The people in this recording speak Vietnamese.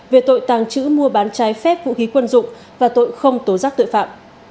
về tội tàng trữ mua bán trái phép vũ khí quân dụng và tội không tố giác tội phạm